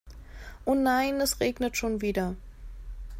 Oh, nein, es regnet schon wieder.